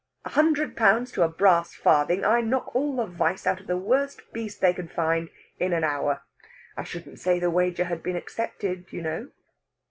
a hundred pounds to a brass farthing I knock all the vice out of the worst beast they can find in an hour. I shouldn't say the wager had been accepted, you know."